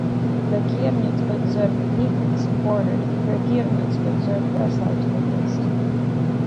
Regierungsbezirk Liegnitz bordered Regierungsbezirk Breslau to the east.